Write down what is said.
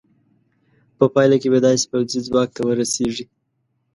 په پایله کې به داسې پوځي ځواک ته ورسېږې.